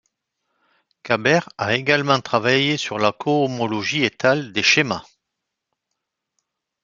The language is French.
Gabber a également travaillé sur la cohomologie étale des schémas.